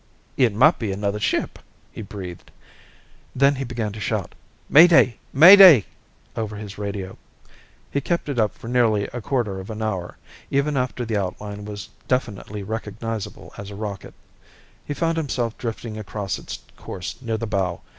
"It might be another ship!" he breathed, then he began to shout, "Mayday! Mayday!" over his radio. He kept it up for nearly a quarter of an hour, even after the outline was definitely recognizable as a rocket. He found himself drifting across its course near the bow.